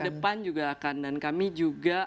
depan juga akan dan kami juga